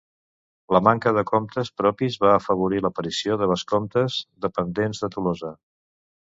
La manca de comtes propis va afavorir l'aparició de vescomtes dependents de Tolosa.